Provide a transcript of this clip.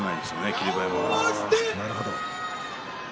霧馬山は。